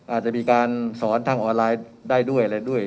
อาจจะมีการสอนทางออนไลน์ได้ด้วยอะไรด้วย